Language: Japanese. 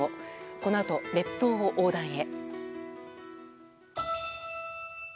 このあと、列島を横断へ。